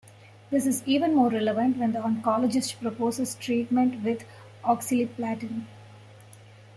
This is even more relevant when the oncologist proposes treatment with oxaliplatin.